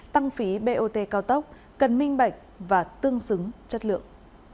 tăng phí bot cao tốc cần minh bạch và tương xứng chất lượng